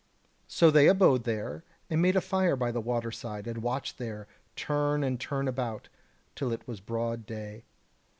So they abode there, and made a fire by the waterside, and watched there, turn and turn about, till it was broad day.